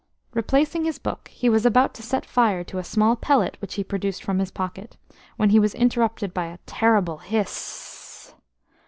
Replacing his book, he was about to set fire to a small pellet which he produced from his pocket, when he was interrupted by a terrible hiss.